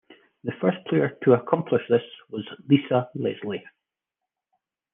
The first player to accomplish this was Lisa Leslie.